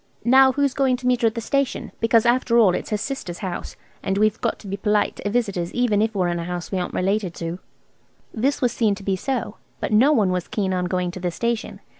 "Now who's going to meet her at the station? Because after all it's her sister's house, and we've got to be polite to visitors even if we're in a house we aren't related to." This was seen to be so, but no one was keen on going to the station.